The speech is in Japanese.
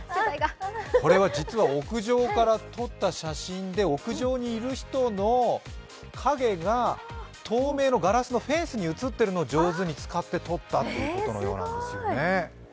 これは実は屋上から撮った写真で屋上にいる人の影が透明のガラスのフェンスに写っているのを上手に撮ったということのようですね。